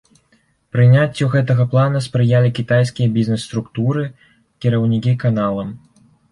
Прыняццю гэтага плана спрыялі кітайскія бізнес-структуры, кіраўнікі каналам.